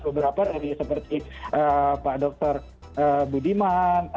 beberapa tadi seperti pak dr budiman